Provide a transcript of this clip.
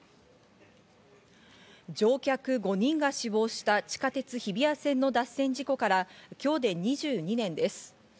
乗客５人が死亡した地下鉄日比谷線の脱線事故から今日で２２年です。